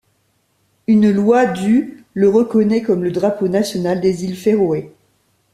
Une loi du le reconnaît comme le drapeau national des îles Féroé.